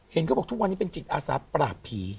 เห็นเขาบอกว่าทุกวันนี้เป็นจิตอาสาประหลาดผี